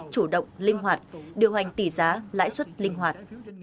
chủ động linh hoạt điều hành tỷ giá lãi suất linh hoạt